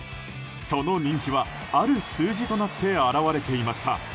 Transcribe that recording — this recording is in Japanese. その人気は、ある数字となって表れていました。